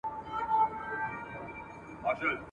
ما د جهاني په لاس امېل درته پېیلی وو !.